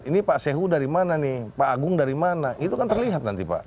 ini pak sehu dari mana nih pak agung dari mana itu kan terlihat nanti pak